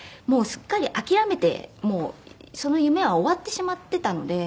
もうすっかり諦めてその夢は終わってしまっていたので。